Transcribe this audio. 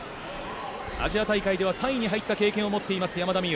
アジア大会では３位に入った経験を持っています山田美諭。